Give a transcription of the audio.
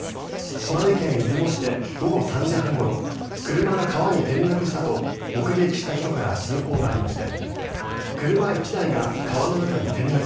島根県出雲市で午後３時半ごろ車が川に転落したと目撃した人から通報がありました。